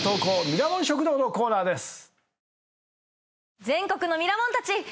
ミラモン食堂のコーナーです。